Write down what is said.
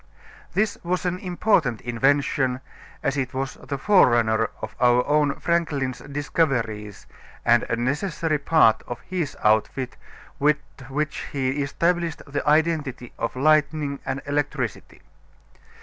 This was an important invention, as it was the forerunner of our own Franklin's discoveries and a necessary part of his outfit with which he established the identity of lightning and electricity.